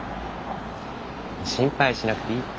心配しなくていいって。